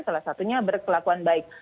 salah satunya berkelakuan baik